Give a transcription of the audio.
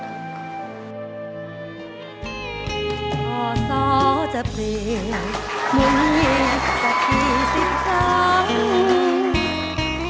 มุ่งเย็นมุ่งเย็นสักทีสิบทั้ง